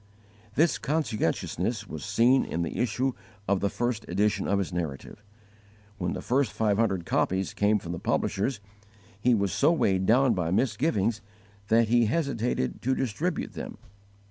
This conscientiousness was seen in the issue of the first edition of his Narrative. When the first five hundred copies came from the publishers, he was so weighed down by misgivings that he hesitated to distribute them.